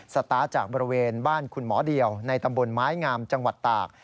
สตาร์ทจากบริเวณบ้านคุณหมอเดียวในตำบลไม้งามจังหวัดตาก